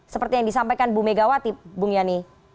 seperti yang disampaikan ibu megawati bang yani